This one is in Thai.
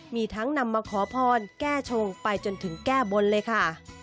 มีทั้งนำมาขอพรแก้ชงไปจนถึงแก้บนเลยค่ะ